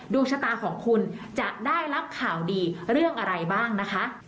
ดวงชะตาของคุณจะได้รับข่าวดีเรื่องอะไรบ้างนะคะ